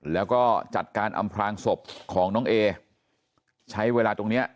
แล้วก็จัดการอำพลางศพของน้องเอใช้เวลาตรงเนี้ย